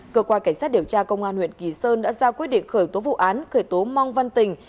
cơ quan cảnh sát điều tra công an huyện kỳ sơn đã ra quyết định khởi tố vụ án khởi tố mong văn tình